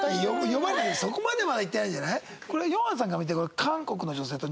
呼ばれそこまでまだいってないんじゃない？